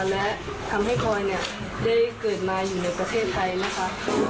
และทำให้พลอยเนี่ยได้เกิดมาอยู่ในประเทศไทยนะคะ